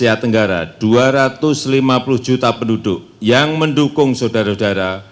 di asia tenggara dua ratus lima puluh juta penduduk yang mendukung saudara saudara